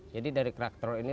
jadi dari kerak telur ini